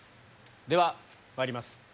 ではまいります。